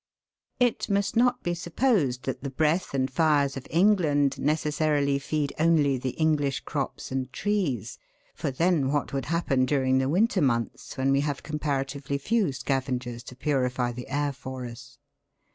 It must not be supposed that the breath and fires of England necessarily feed only the English crops and trees, for then what would happen during the winter months? 170 THE WORLD'S LUMBER ROOM. when we have comparatively few scavengers to purify the air for us